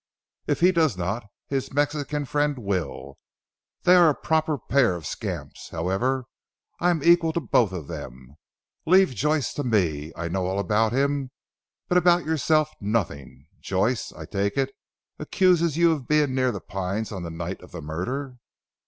"If he does not, his Mexican friend will. They are a proper pair of scamps. However I am equal to both of them. Leave Joyce to me. I know all about him; but about yourself, nothing. Joyce I take it accuses you of being near 'The Pines' on the night of the murder."